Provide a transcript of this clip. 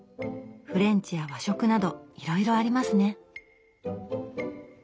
フレンチや和食などいろいろありますね。